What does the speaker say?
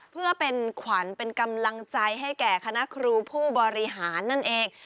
เพื่อเป็นขวัญเป็นกำลังใจให้แก่คณะครูผู้บริหารนั่นเอง